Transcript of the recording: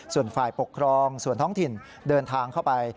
ส่วนฝ่ายปกครองส่วนท้องถิ่นเดินทางเข้าไป